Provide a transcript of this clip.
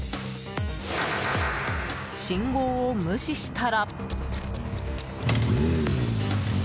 信号を無視したら。